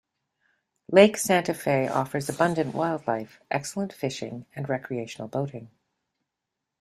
Lake Santa Fe offers abundant wildlife, excellent fishing and recreational boating.